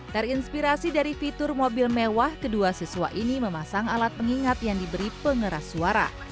terinspirasi dari fitur mobil mewah kedua siswa ini memasang alat pengingat yang diberi pengeras suara